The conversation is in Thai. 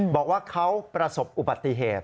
บอกว่าเขาประสบอุบัติเหตุ